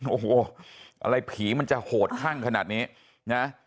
โอ้โหอะไรผีมันจะโหดคั่งขนาดนี้นะ